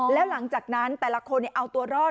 แล้วหลังจากนั้นแต่ละคนเอาตัวรอด